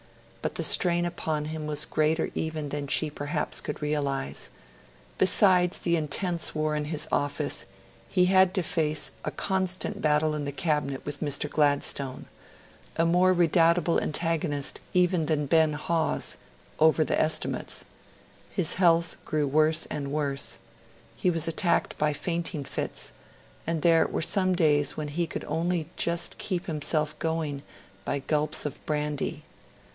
But the strain upon him was greater even than she perhaps could realise. Besides the intestine war in his office, he had to face a constant battle in the Cabinet with Mr. Gladstone a more redoubtable antagonist even than Ben Hawes over the estimates. His health grew worse and worse. He was attacked by fainting fits; and there were some days when he could only just keep himself going by gulps of brandy.